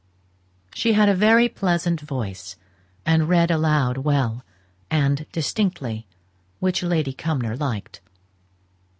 She had a very pleasant voice, and read aloud well and distinctly, which Lady Cumnor liked.